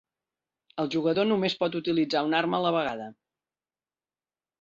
El jugador només pot utilitzar una arma a la vegada.